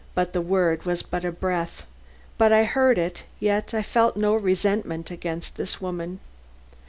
The word was but a breath, but I heard it Yet I felt no resentment against this woman.